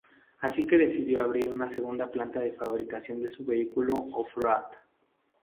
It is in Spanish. Así que decidió abrir una segunda planta de fabricación de su vehículo offroad.